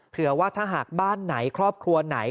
เผื่อว่าถ้าหากบ้านไหนครอบครัวไหน